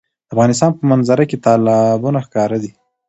د افغانستان په منظره کې تالابونه ښکاره ده.